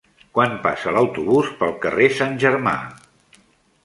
Quan passa l'autobús pel carrer Sant Germà?